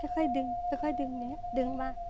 ค่อยดึง